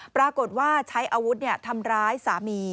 ปรากฏว่าใช้อาวุธทำร้ายสามี